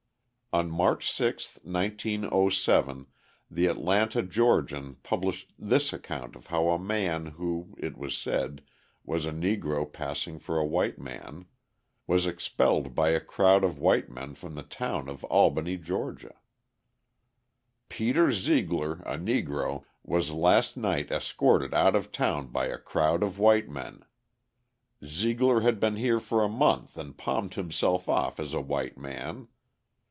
On March 6, 1907, the Atlanta Georgian published this account of how a man who, it was said, was a Negro passing for a white man, was expelled by a crowd of white men from the town of Albany, Ga.: Peter Zeigler, a Negro, was last night escorted out of town by a crowd of white men. Zeigler had been here for a month and palmed himself off as a white man.